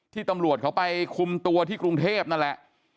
ตำรวจเขาไปคุมตัวที่กรุงเทพนั่นแหละ